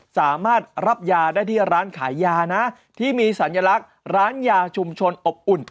สามารถรับยาได้ที่ร้านขายยานะที่มีสัญลักษณ์ร้านยาชุมชนอบอุ่น